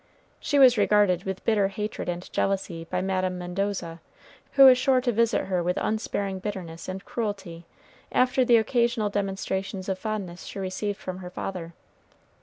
She was regarded with bitter hatred and jealousy by Madame Mendoza, who was sure to visit her with unsparing bitterness and cruelty after the occasional demonstrations of fondness she received from her father.